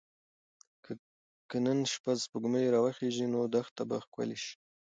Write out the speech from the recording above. که نن شپه سپوږمۍ راوخیژي نو دښته به ښکلې شي.